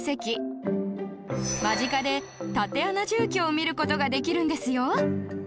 間近で竪穴住居を見る事ができるんですよ